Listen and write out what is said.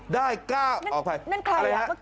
ได้๙อ๊ะอะไรนะ